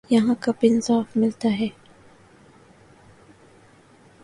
یہاں کب انصاف ملتا ہے